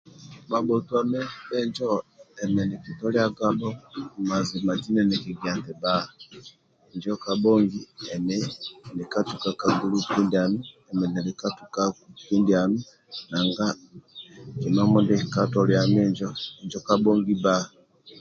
Bhabhotuami bhenjo emi nikitoliagabho nti mazima injo kabhongi emi nilikatukau ka gulupu emi nili katukaku kindianu nanga kima ndie bhulikatoliali kabhongi bba